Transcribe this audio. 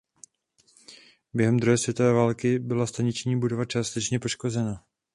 Během druhé světové války byla staniční budova částečně poškozena.